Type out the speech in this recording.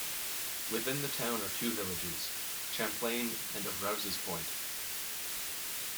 Within the town are two villages: Champlain and of Rouses Point.